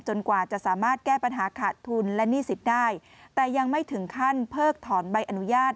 กว่าจะสามารถแก้ปัญหาขาดทุนและหนี้สิทธิ์ได้แต่ยังไม่ถึงขั้นเพิกถอนใบอนุญาต